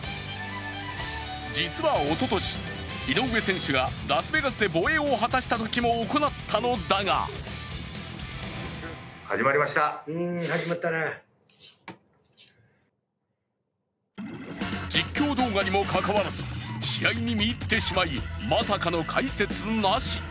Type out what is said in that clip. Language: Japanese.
実はおととし、井上選手がラスベガスで防衛を果たしたときも行ったのだが実況動画にもかかわらず試合に見入ってしまいまさかの解説なし。